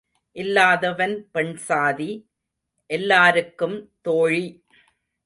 இல்லாதவன் பெண்சாதி எல்லாருக்கும் தோழி.